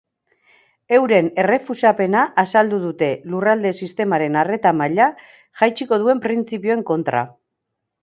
Euren errefusapena azaldu dute lurraldeko sistemaren arreta maila jaitsiko duen printzipioen kontra.